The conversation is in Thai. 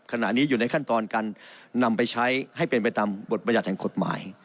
ขณะนี้อยู่ในขั้นตอนการนำไปใช้ให้เป็นไปตามบทบรรยัติแห่งกฎหมาย